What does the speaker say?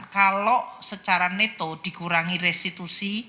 kalau secara neto dikurangi restitusi